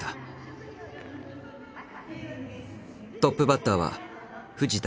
トップバッターは藤田倭。